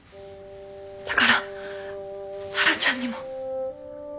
だから紗良ちゃんにも。